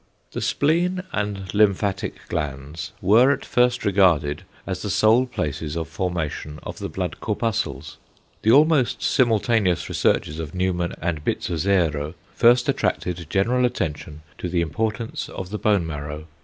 The spleen and lymphatic glands were at first regarded as the sole places of formation of the blood corpuscles. The almost simultaneous researches of Neumann and Bizzozero first attracted general attention to the importance of the bone marrow.